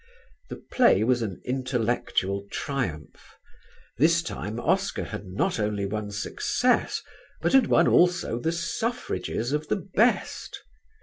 The play was an intellectual triumph. This time Oscar had not only won success but had won also the suffrages of the best.